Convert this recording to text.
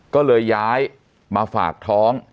ก็เลยย้ายมาฝากท้อง